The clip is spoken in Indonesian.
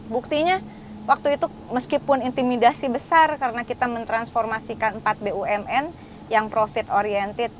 buktinya waktu itu meskipun intimidasi besar karena kita mentransformasikan empat bumn yang profit oriented